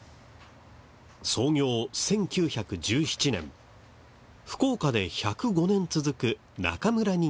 創業１９１７年福岡で１０５年続く中村人形。